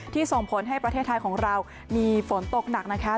ส่งผลให้ประเทศไทยของเรามีฝนตกหนักนะคะ